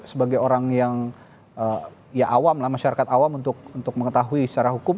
sebagai orang yang ya awam lah masyarakat awam untuk mengetahui secara hukum